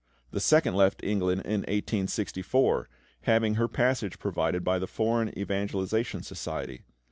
The second left England in 1864, having her passage provided by the Foreign Evangelisation Society.